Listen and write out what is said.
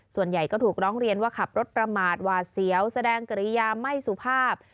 ส่วนใหญ่ก็ถูกร้องเรียนว่าขับรถประมาทหวาดเสียวแสดงกริยาไม่สุภาพ